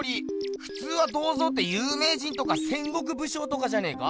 ふつうは銅像ってゆうめい人とか戦国武将とかじゃねえか？